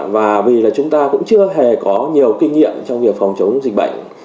và vì là chúng ta cũng chưa hề có nhiều kinh nghiệm trong việc phòng chống dịch bệnh